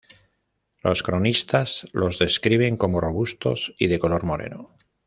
Los cronistas los describen como robustos y de color moreno.